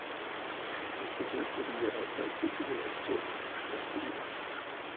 Las canciones se fueron enviadas al sitio de la Yle hasta fines de agosto.